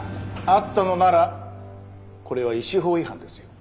あったのならこれは医師法違反ですよ。